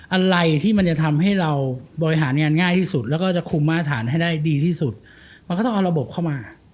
อะไรที่มันจะทำให้เราบริหารงานง่ายที่สุดแล้วก็จะคุมมาตรฐานให้ได้ดีที่สุดมันก็ต้องเอาระบบเข้ามา